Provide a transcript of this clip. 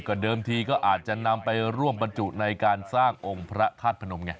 ก็เดิมทีก็อาจจะนำไปร่วมบรรจุในการสร้างองค์พระธาตุพนมไง